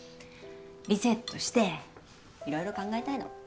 リセットして色々考えたいの。